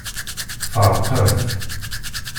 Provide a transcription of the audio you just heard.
Feṛqen-t.